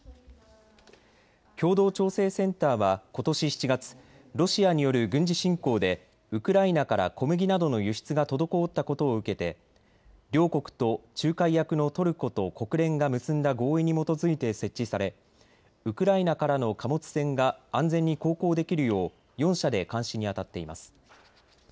共同調整センターはことし７月、ロシアによる軍事侵攻でウクライナから小麦などの輸出が滞ったことを受けて両国と仲介役のトルコと国連が結んだ合意に基づいて設置され、ウクライナからの貨物船が安全に航行できるよう４者で監視にあたっています。